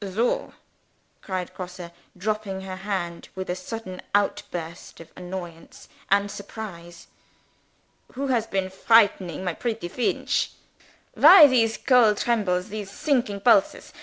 "Soh!" cried Grosse, dropping her hand with a sudden outbreak of annoyance and surprise. "Who has been frightening my pretty Feench? Why these cold trembles? these sinking pulses?